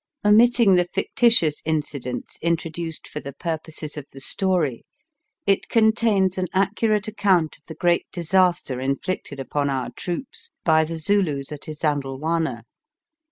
Omitting the fictitious incidents introduced for the purposes of the story, it contains an accurate account of the great disaster inflicted upon our troops by the Zulus at Isandhlwana.